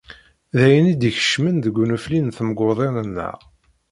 D ayen i d-ikeččmen deg unefli n temguḍin-nneɣ.